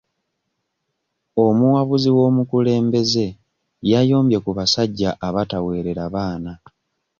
Omuwabuzi w'omukulembeze yayombye ku basajja abataweerera baana.